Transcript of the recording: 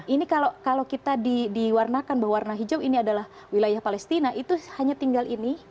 ini kalau kita diwarnakan bahwa warna hijau ini adalah wilayah palestina itu hanya tinggal ini